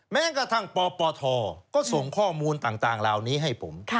แม้กระทั่งปปทก็ส่งข้อมูลต่างเหล่านี้ให้ผม